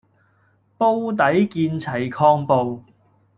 煲底見齊抗暴